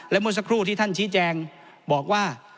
และเมื่อสักครู่ที่ท่านชี้แจงบอกว่า